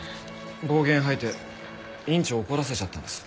暴言吐いて院長を怒らせちゃったんです。